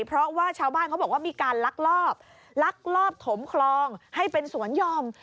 เพราะว่าชาวบ้านเขาบอกว่ามีการลักลอบลักลอบถมคลองให้เป็นสวนยอม